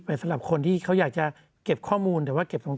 สำหรับคนที่เขาอยากจะเก็บข้อมูลแต่ว่าเก็บตรง